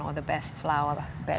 hutan terbaik atau bunga terbaik